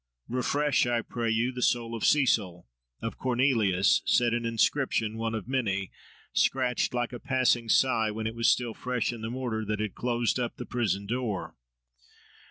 refresh, I pray you, the soul of Cecil, of Cornelius! said an inscription, one of many, scratched, like a passing sigh, when it was still fresh in the mortar that had closed up the prison door.